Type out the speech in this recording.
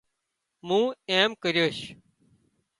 مُون ايم ڪريوش